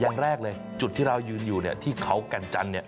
อย่างแรกเลยจุดที่เรายืนอยู่ที่เขาแก่นจันทร์